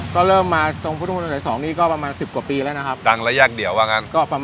ก็เริ่มมาตรงพุทธมนตร์ศักดิ์๒นี่ก็ประมาณ๑๐กว่าปีแล้วนะครับ